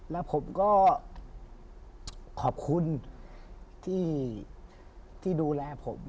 แล้วผมก็ขอบคุณที่ดูแลผม